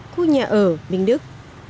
khu nhà ở bình đức